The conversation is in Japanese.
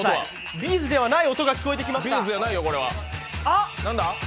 Ｂ’ｚではない音が聞こえてきました。